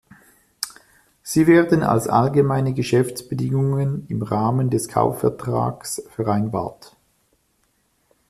Sie werden als Allgemeine Geschäftsbedingungen im Rahmen des Kaufvertrags vereinbart.